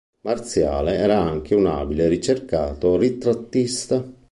Marziale era anche un abile e ricercato ritrattista.